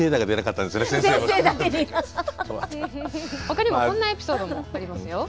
ほかにもこんなエピソードもありますよ。